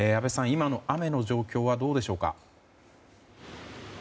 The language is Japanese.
今の雨の状況はどうでしょうか。